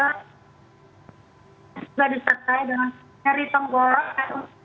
juga disertai dengan seri penggorok